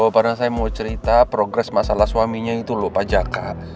padahal saya mau cerita progres masalah suaminya itu lho pak jaka